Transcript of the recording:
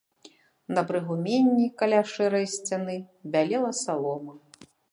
На прыгуменні, каля шэрай сцяны, бялела салома.